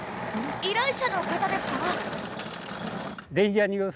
依頼者の方ですか？